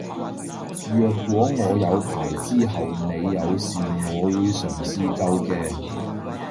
若果我有牌之後你有事我會嘗試救嘅